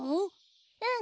うん。